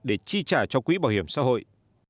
để chi trả cho quỹ bảo hiểm xã hội